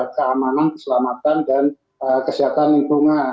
keamanan keselamatan dan kesehatan lingkungan